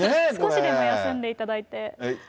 少しでも休んでいただいて。